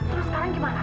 terus sekarang gimana